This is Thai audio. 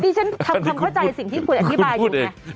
ฉันทำความเข้าใจสิ่งที่คุณอธิบายอยู่ไง